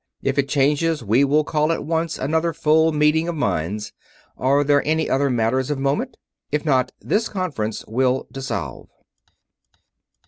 If it changes, we will call at once another full meeting of minds. Are there any other matters of moment...? If not, this conference will dissolve."